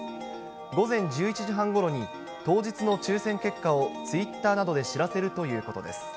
午前１１時半ごろに、当日の抽せん結果をツイッターなどで知らせるということです。